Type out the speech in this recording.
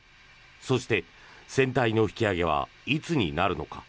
そして、船体の引き揚げはいつになるのか。